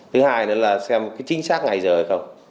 thứ hai là xem chính xác ngày giờ hay không